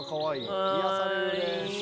癒やされる。